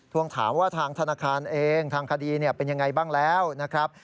วงถามว่าทางธนาคารเองทางคดีเป็นยังไงบ้างแล้วนะครับ